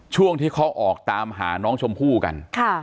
ช่วงที่เขาออกตามหาน้องชมพู่กัน